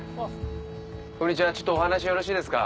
こんにちはちょっとお話よろしいですか？